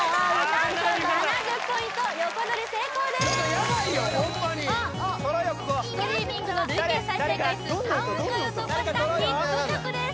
誰かストリーミングの累計再生回数３億回を突破したヒット曲です